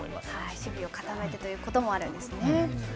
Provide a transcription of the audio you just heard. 守備を固めてということもあるんですね。